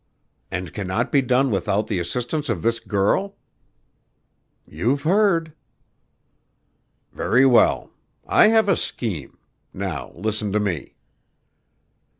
"And cannot be done without the assistance of this girl?" "You've heard." "Very well; I have a scheme. Now listen to me."